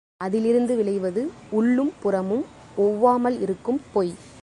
அதிலிருந்து விளைவது உள்ளும் புறமும் ஒவ்வாமல் இருக்கும் பொய்.